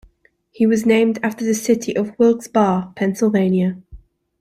She was named after the city of Wilkes-Barre, Pennsylvania.